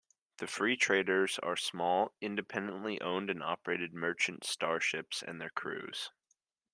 The Free Traders are small, independently owned and operated merchant starships and their crews.